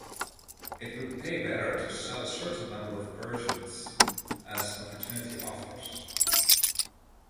It would pay better to sell a certain number of Persians as opportunity offers.